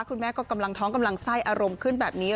คุณแม่ก็กำลังท้องกำลังไส้อารมณ์ขึ้นแบบนี้